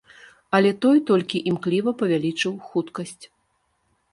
Але той толькі імкліва павялічыў хуткасць.